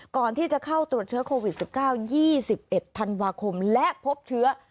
ก่อนที่จะเข้าตรวจเชื้อโควิด๑๙๒๑ธันวาคมและพบเชื้อ